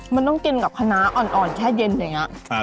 มันต้องกินกับคณะอ่อนแค่เย็นอย่างนี้